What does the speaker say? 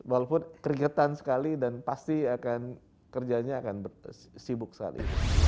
walaupun keringetan sekali dan pasti akan kerjanya akan sibuk sekali